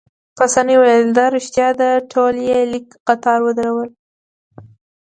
پاسیني وویل: دا ريښتیا ده، ټول يې لیک قطار ودرول.